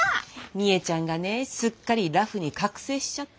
未映ちゃんがねすっかりラフに覚醒しちゃって。